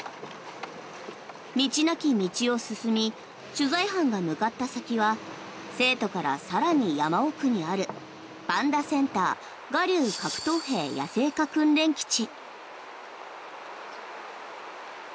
道なき道を進み取材班が向かった先は成都から更に山奥にあるパンダセンター臥龍核桃坪野生化訓練基地。